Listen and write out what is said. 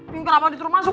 pinggir apa diturut masuk